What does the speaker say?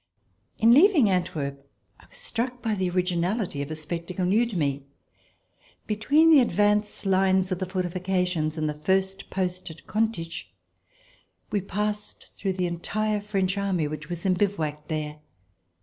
In leaving Antwerp, I was struck by the originality of a spectacle new to me. Between the advance lines of the fortifications and the first post, at Contich, we passed through the entire French army, which was in bivouac there.